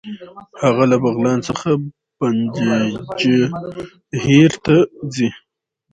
هغه له بغلان څخه پنجهیر ته ځي.